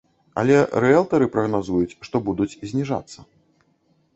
Але рыэлтары прагназуюць, што будуць зніжацца.